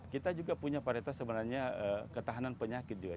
kita juga punya paritas sebenarnya ketahanan penyakit juga